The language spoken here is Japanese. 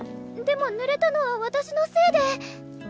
でもぬれたのは私のせいで。